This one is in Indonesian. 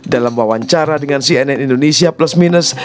dalam wawancara dengan cnn indonesia plus minus